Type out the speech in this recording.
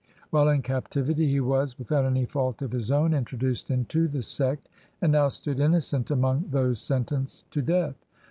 While in captivity, he was, without any fault of his own, introduced into the sect, and now stood innocent among those sentenced to death.